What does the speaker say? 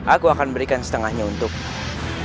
aku akan berikan setengahnya untukmu